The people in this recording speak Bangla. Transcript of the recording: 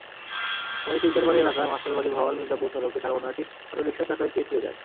পথে সিকদারবাড়ি এলাকার মাস্টারবাড়ি-ভাওয়াল মির্জাপুর সড়কে তার ওড়নাটি অটোরিকশার চাকায় পেঁচিয়ে যায়।